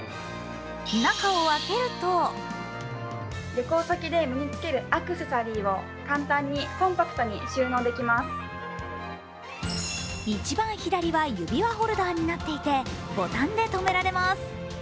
中を開けるといちばん左は指輪ホルダーになっていて、ボタンでとめられます。